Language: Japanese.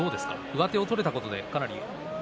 上手が取れたことでかなり。